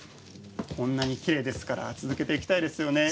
こんなにきれいですから続けていきたいですね。